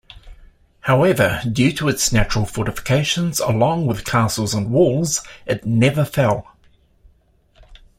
However, due to its natural fortifications along with castles and walls it never fell.